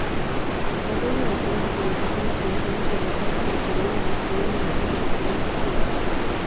Autor de decenas de publicaciones y diseños sobre plantas brasileñas, describiendo muchas plantas nuevas.